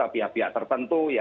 ada biar biar tertentu